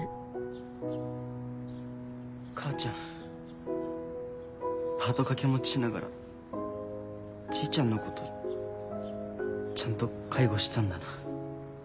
母ちゃんパート掛け持ちしながらじいちゃんのことちゃんと介護してたんだな。